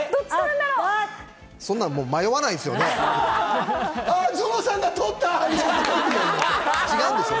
そんなのもう迷わないですよぞ